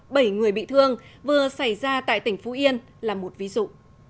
bảy người bị thương vừa xảy ra tại tỉnh phú yên là một ví dụ